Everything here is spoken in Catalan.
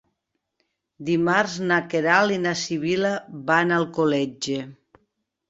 Dimarts na Queralt i na Sibil·la van a Alcoletge.